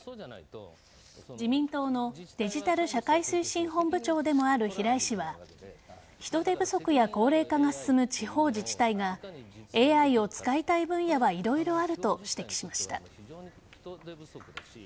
自民党のデジタル社会推進本部長でもある平井氏は人手不足や高齢化が進む地方自治体がＡＩを使いたい分野は色々あると指摘しました。